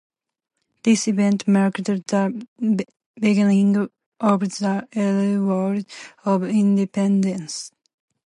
This event marked the beginning of the Irish War of Independence.